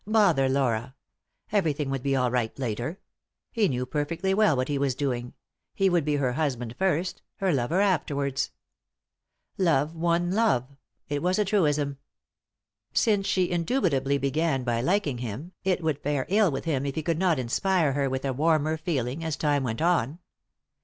Bother Laura I Everything would be all right later ; he knew perfectly well what he was doing— he would be her husband first, her lover afterwards. Love won love — 293 3i 9 iii^d by Google THE INTERRUPTED KISS it was a truism. Since she indubitably began by liking him it would fare ill with him if he could not inspire her with a warmer feeling as time went on.